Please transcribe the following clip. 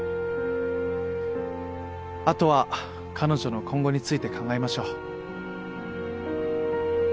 あとは彼女の今後について考えましょう。